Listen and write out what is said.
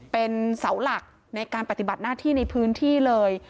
เป็นเสาหลักในการปฏิบัติหน้าที่ในพื้นที่เลย